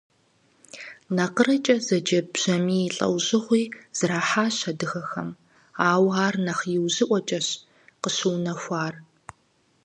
НакъырэкӀэ зэджэ бжьамий лӀэужьыгъуи зэрахьащ адыгэхэм, ауэ ар нэхъ иужьыӀуэкӀэщ къыщыунэхуар.